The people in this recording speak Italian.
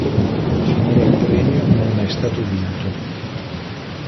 Finora il premio non è mai stato vinto.